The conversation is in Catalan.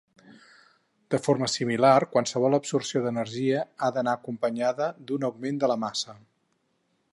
De forma similar qualsevol absorció d'energia ha d'anar acompanyada d'un augment de la massa.